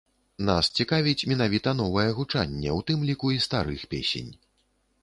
Нас цікавіць менавіта новае гучанне, у тым ліку, і старых песень.